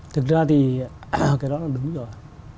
thực ra thì cái đó là đúng rồi